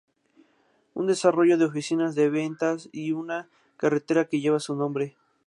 Un desarrollo de oficinas de ventas y una carretera que lleva su nombre.